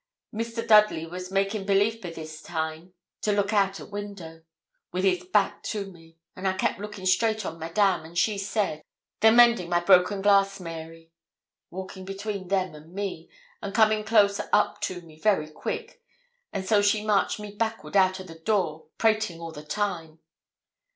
'Mr. Dudley was making belief be this time to look out at window, wi' his back to me, and I kept looking straight on Madame, and she said, "They're mendin' my broken glass, Mary," walking between them and me, and coming close up to me very quick; and so she marched me backward out o' the door, prating all the time.